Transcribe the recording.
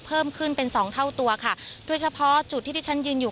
เพิ่มขึ้นเป็นสองเท่าตัวค่ะโดยเฉพาะจุดที่ที่ฉันยืนอยู่